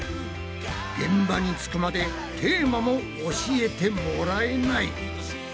現場に着くまでテーマも教えてもらえない！